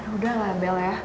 udah lah bel ya